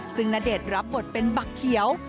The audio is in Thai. ซึ่งณเดชน์รับบทเป็นบักเขียว